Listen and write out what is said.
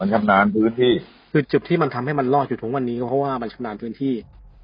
คือจุดที่มันทำให้มันรอดอยู่ถึงวันนี้เพราะว่ามันชำนาญพื้นที่